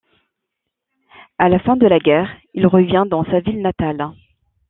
À la fin de la guerre, il revient dans sa ville natale.